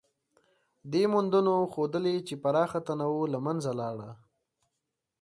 دې موندنو ښودلې، چې پراخه تنوع له منځه لاړه.